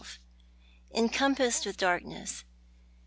ENCOMPASSED WITH DARKNESS.